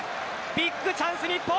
ビッグチャンス、日本。